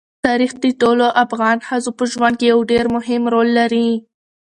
تاریخ د ټولو افغان ښځو په ژوند کې یو ډېر مهم رول لري.